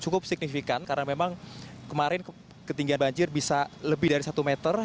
cukup signifikan karena memang kemarin ketinggian banjir bisa lebih dari satu meter